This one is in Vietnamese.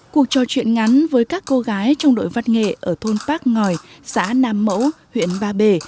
cuộc trò chuyện ngắn với các cô gái trong đội văn nghệ ở thôn bác ngòi xã nam mẫu huyện ba bể